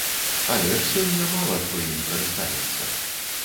Але ж сёння мала хто ім карыстаецца.